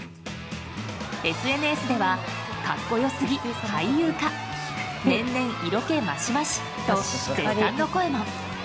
ＳＮＳでは格好よすぎ、俳優か年々色気マシマシと絶賛の声も。